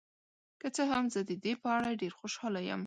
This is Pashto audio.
که څه هم، زه د دې په اړه ډیر خوشحاله یم.